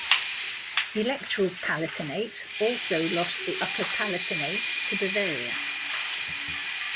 Electoral Palatinate also lost the Upper Palatinate to Bavaria.